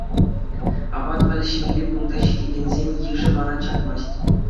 Апат валеҫмелли пункта ҫитекенсен йышӗ вара чакмасть.